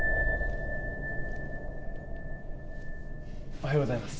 おはようございます。